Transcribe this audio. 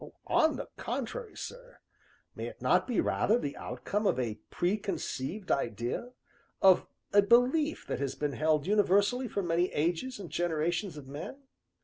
"On the contrary, sir, may it not be rather the outcome of a preconceived idea of a belief that has been held universally for many ages and generations of men?